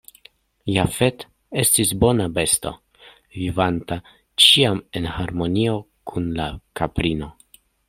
Jafet estis bona besto, vivanta ĉiam en harmonio kun la kaprino.